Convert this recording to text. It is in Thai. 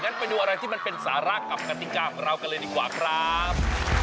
ไปดูอะไรที่มันเป็นสาระกับกติกาของเรากันเลยดีกว่าครับ